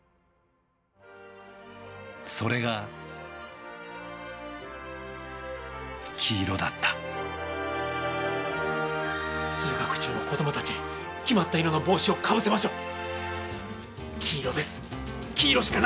それが黄色だった通学中の子どもたちに決まった色の帽子をかぶせましょう！